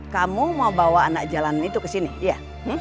kamu mau bawa anak jalanan itu ke sini ya